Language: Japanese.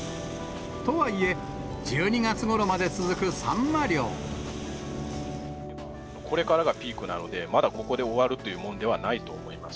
とはいえ、これからがピークなので、まだここで終わるというもんではないと思います。